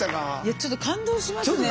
ちょっと感動したね。